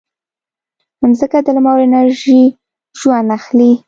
مځکه د لمر له انرژي ژوند اخلي.